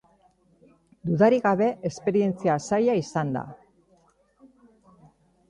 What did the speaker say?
Dudarik gabe, esperientzia zaila izan da.